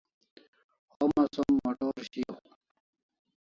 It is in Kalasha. Homa som motor shiau